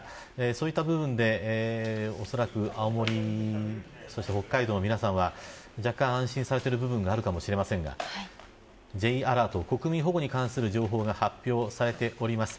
そういった部分でおそらく青森そして北海道の皆さんは若干、安心されてる部分があるかもしれませんがＪアラート、国民保護に関する情報が発表されております。